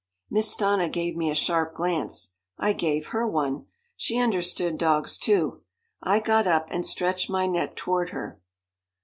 Miss Stanna gave me a sharp glance. I gave her one. She understood dogs too. I got up and stretched my neck toward her.